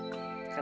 kan aku lupa